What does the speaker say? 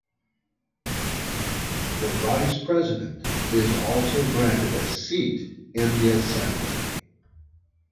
The Vice President is also granted a seat in the assembly.